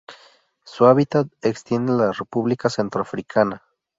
Su hábitat extiende a la República Centroafricana.